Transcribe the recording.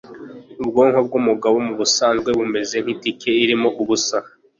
Ubwonko bwumugabo mubusanzwe bumeze nk’itike irimo ubusa"